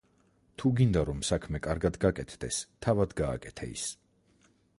თუ გინდა, რომ საქმე კარგად გაკეთდეს, თავად გააკეთე ის.